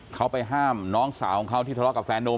เขาไปห้ามน้องสาวของเขาที่ทะเลาะกับแฟนนุ่ม